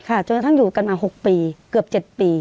ค่ะจนทั้งอยู่กันมา๖ปีเกือบ๗ปี